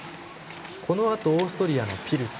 このあとオーストリアのピルツ。